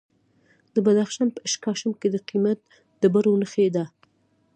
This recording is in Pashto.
د بدخشان په اشکاشم کې د قیمتي ډبرو نښې دي.